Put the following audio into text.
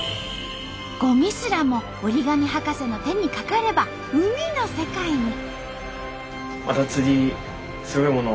ごみすらも折り紙博士の手にかかれば海の世界に！